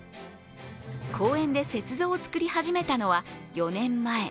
公園で雪像を作り始めたのは４年前。